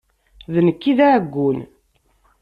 D nekk i d aɛeggun.